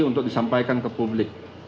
untuk disampaikan ke publik